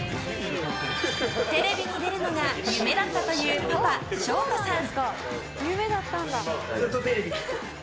テレビに出るのが夢だったというパパ、翔太さん。